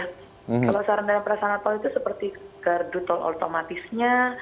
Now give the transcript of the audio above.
kalau sarana dan perasana tol itu seperti gardu tol otomatisnya